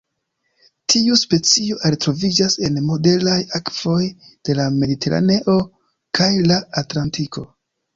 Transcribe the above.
Tiu specio are troviĝas en moderaj akvoj de la Mediteraneo kaj la Atlantiko.